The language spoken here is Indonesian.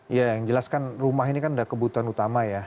ya yang jelas kan rumah ini kan sudah kebutuhan utama ya